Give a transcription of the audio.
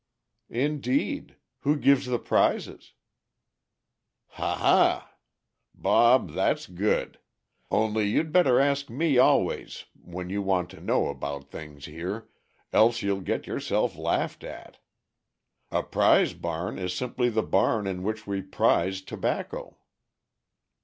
"Indeed! Who gives the prizes?" "Ha! ha! Bob, that's good; only you'd better ask me always when you want to know about things here, else you'll get yourself laughed at. A prize barn is simply the barn in which we prize tobacco."